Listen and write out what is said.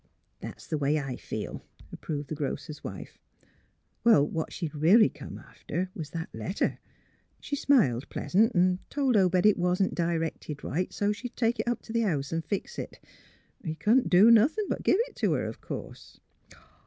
*' That's th' way I feel," approved the grocer's wife. '* Well, what she'd really come after was that letter. She smiled pleasant, 'n' told Obed it wa'n't directed right, so she'd take it up t' the house an' fix 't. He couldn't do nothin' but give it to her, of course."